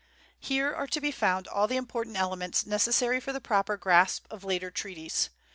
Here are to be found all the important elements necessary for the proper grasp of later treaties.